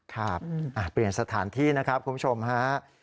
ครับเปลี่ยนสถานที่นะครับคุณผู้ชมฮะ